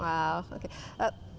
apa reaksi kalian